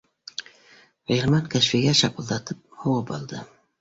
— Ғилман Кәшфигә шапылдатып һуғып алды